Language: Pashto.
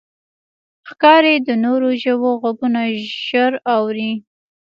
ښکاري د نورو ژوو غږونه ژر اوري.